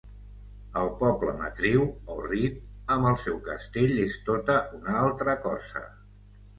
El poble matriu, Orrit, amb el seu castell és tota una altra cosa.